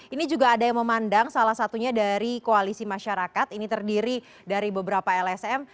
ini juga ada yang memandang salah satunya dari koalisi masyarakat ini terdiri dari beberapa lsm